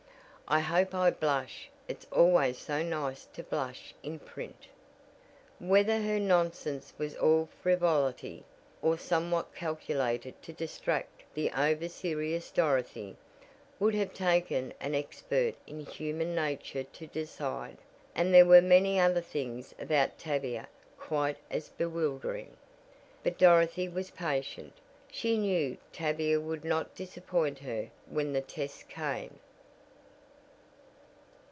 I hope I blush! It's always so nice to blush in print!" Whether her nonsense was all frivolity, or somewhat calculated to distract the over serious Dorothy, would have taken an expert in human nature to decide, and there were many other things about Tavia quite as bewildering; but Dorothy was patient, she knew Tavia would not disappoint her when the test came.